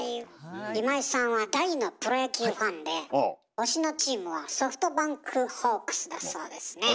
今井さんは大のプロ野球ファンで推しのチームはソフトバンクホークスだそうですね。